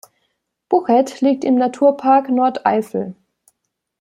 Buchet liegt im Naturpark Nordeifel.